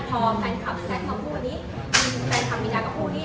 พอแฟนคลับแซมคลับพวกนี้มีแฟนคลับมิดากับโฮลี่